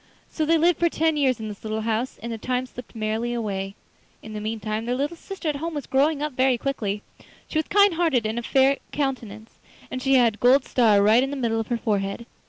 So they lived for ten years in this little house, and the time slipped merrily away. In the meantime their little sister at home was growing up quickly. She was kind hearted and of a fair countenance, and she had a gold star right in the middle of her forehead.